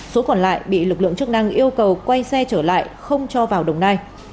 số còn lại bị lực lượng chức năng yêu cầu quay xe trở lại không cho vào đồng nai